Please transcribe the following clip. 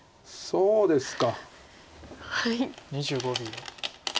そうですね。